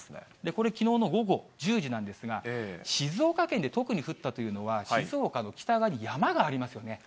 これ、きのうの午後１０時なんですが、静岡県で特に降ったというのは、静岡の北側に山がありますよね。